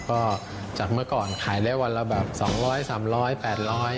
ก็จากเมื่อก่อนขายได้วันละแบบ๒๐๐๓๐๐๘๐๐บาท